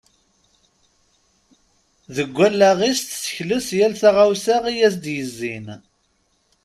Deg alaɣ-is tessekles yal taɣawsa i as-d-yezzin.